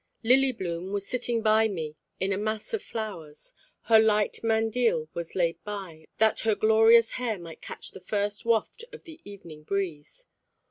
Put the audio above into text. Lily bloom was sitting by me in a mass of flowers; her light mandile was laid by, that her glorious hair might catch the first waft of the evening breeze.